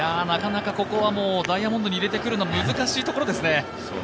なかなかここはダイヤモンド入れてくるのは難しいところですね。